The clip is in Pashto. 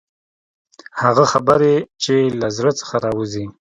هغه خبرې چې له زړه څخه راوځي.